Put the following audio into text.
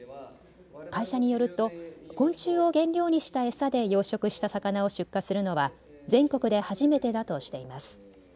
会社によると昆虫を原料にした餌で養殖した魚を出荷するのは全国で初めてだとしています。